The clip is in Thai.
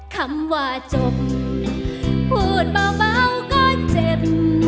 คำว่าจบพูดเบาก็เจ็บ